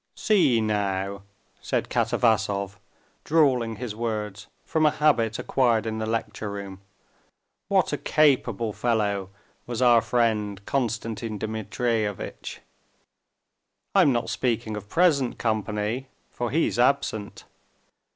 "See, now," said Katavasov, drawling his words from a habit acquired in the lecture room, "what a capable fellow was our friend Konstantin Dmitrievitch. I'm not speaking of present company, for he's absent.